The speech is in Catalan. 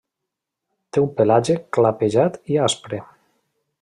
Té un pelatge clapejat i aspre.